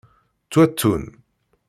Ttwattun.